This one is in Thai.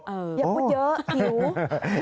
อย่าพูดเยอะหิว